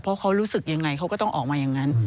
เพราะเขารู้สึกยังไงเขาก็ต้องออกมาอย่างนั้น